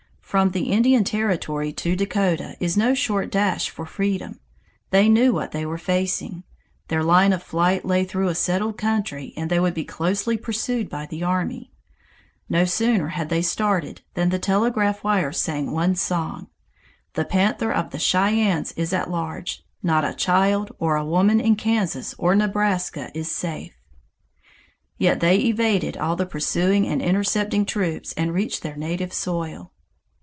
From the Indian Territory to Dakota is no short dash for freedom. They knew what they were facing. Their line of flight lay through a settled country and they would be closely pursued by the army. No sooner had they started than the telegraph wires sang one song: "The panther of the Cheyennes is at large. Not a child or a woman in Kansas or Nebraska is safe." Yet they evaded all the pursuing and intercepting troops and reached their native soil.